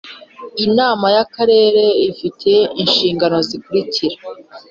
Inama y akarere ifite inshingano zikurikira